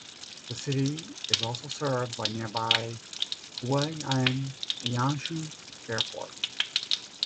The city is also served by nearby Huai'an Lianshui Airport.